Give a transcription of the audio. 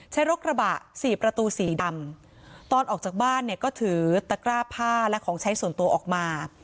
รกระบะสี่ประตูสีดำตอนออกจากบ้านเนี่ยก็ถือตะกร้าผ้าและของใช้ส่วนตัวออกมา